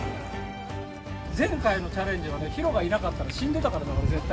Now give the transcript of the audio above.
前回のチャレンジはね、ひろがいなかったら死んでたから、俺、絶対。